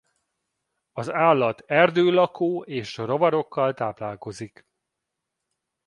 Az állat erdőlakó és rovarokkal táplálkozik.